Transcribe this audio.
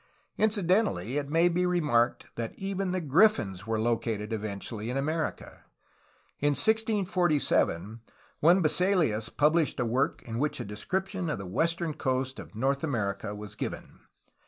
Incidentally, it may be remarked that even the griffins were located eventually in America. In 1647 one Bisselius pubHshed a work in which a descrip tion of the western coast of North America was given.